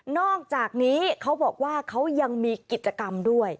อกจากนี้เขาบอกว่าเขายังมีกิจกรรมด้วย